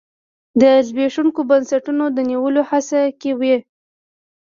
د زبېښونکو بنسټونو د نیولو هڅه کې وي.